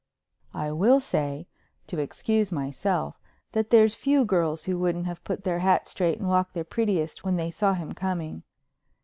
I will say, to excuse myself, that there's few girls who wouldn't have put their hats straight and walked their prettiest when they saw him coming.